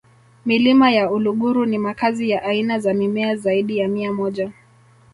milima ya uluguru ni makazi ya aina za mimea zaidi ya mia moja